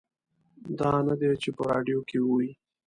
دا نه دی چې په راډیو کې و.